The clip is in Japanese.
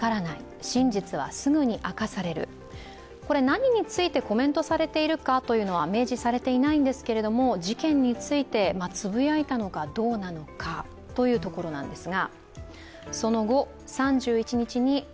何についてコメントされているかは明示されていないんですけど事件について、つぶやいたのかどうなのかというところなんです。